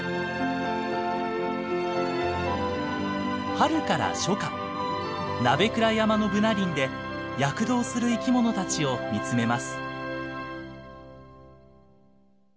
春から初夏鍋倉山のブナ林で躍動する生き物たちを見つめます。